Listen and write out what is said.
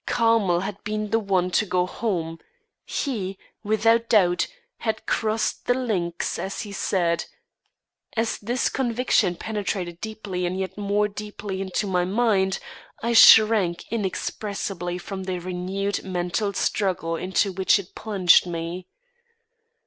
Carmel had been the one to go home; he, without doubt, had crossed the links, as he said. As this conviction penetrated deeply and yet more deeply into my mind, I shrank inexpressibly from the renewed mental struggle into which it plunged me.